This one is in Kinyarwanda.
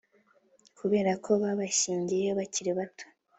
kubera ko babashyingiye bakiri bato